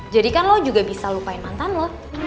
jadi kan lu juga bisa lupain mantan lu